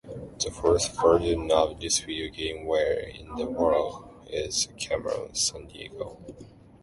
The first version of the video game Where in the World is Carmen Sandiego?